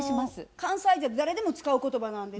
関西で誰でも使う言葉なんです。